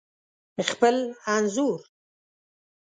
خپل انځور